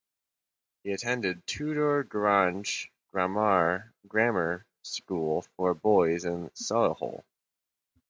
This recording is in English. He attended Tudor Grange Grammar School for Boys in Solihull.